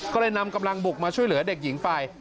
ก็เลยนำกำลังบุกมาช่วยเหลือเด็กหญิงไป